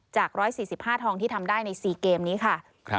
จาก๑๔๕ทองที่ทำได้ใน๔เกมนี้ค่ะ